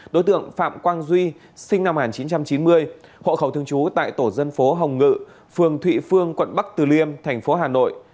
đối tượng phạm quang duy sinh năm một nghìn chín trăm chín mươi hộ khẩu thường trú tại tổ dân phố hồng ngự phường thụy phương quận bắc từ liêm thành phố hà nội